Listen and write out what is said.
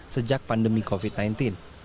sejak pandemi covid sembilan belas